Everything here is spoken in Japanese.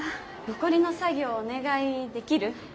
残りの作業お願いできる？